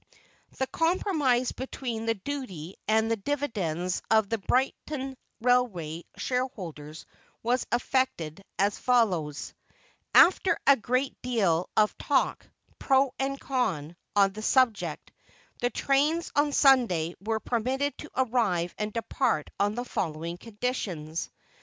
The compromise between the duty and the dividends of the Brighton railway shareholders was effected as follows: After a great deal of talk pro and con on the subject, the trains on Sunday were permitted to arrive and depart on the following conditions.